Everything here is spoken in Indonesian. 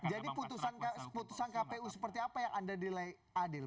jadi putusan kpu seperti apa yang anda dirilai adil